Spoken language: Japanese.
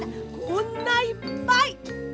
こんないっぱい！